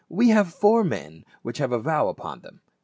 We have four men which have a vow upon them.